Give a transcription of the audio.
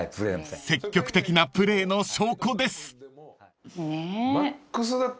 ［積極的なプレーの証拠です］